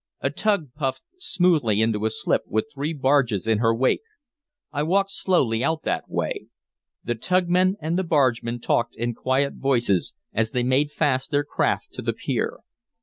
A tug puffed smoothly into a slip with three barges in her wake. I walked slowly out that way. The tugmen and the bargemen talked in quiet voices as they made fast their craft to the pier.